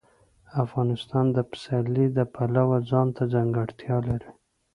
افغانستان د پسرلی د پلوه ځانته ځانګړتیا لري.